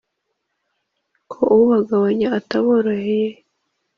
ko ubagabanya ataboroheye